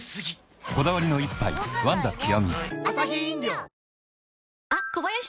こだわりの一杯「ワンダ極」